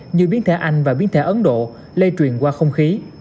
như biến thể anh và biến thể ấn độ lây truyền qua không khí